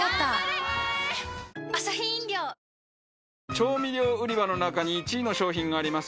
調味料売り場の中に１位の商品があります。